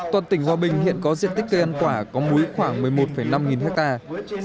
toàn tỉnh hòa bình hiện có diện tích cây ăn quả có múi khoảng một mươi một năm nghìn hectare